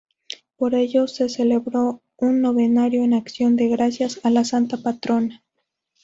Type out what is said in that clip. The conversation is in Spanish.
Por ello, se celebró un novenario en acción de gracias a la Santa Patrona.